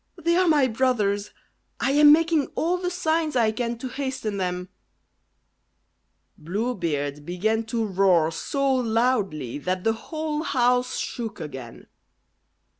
"They are my brothers! I am making all the signs I can to hasten them." Blue Beard began to roar so loudly that the whole house shook again.